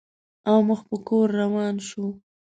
او مخ په کور روان شو.